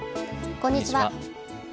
こんにちは。